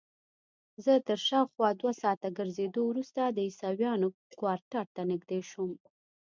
زه تر شاوخوا دوه ساعته ګرځېدو وروسته د عیسویانو کوارټر ته نږدې شوم.